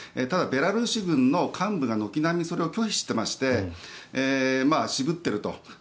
ただベラルーシ軍の幹部が軒並みそれを拒否してまして渋っていると。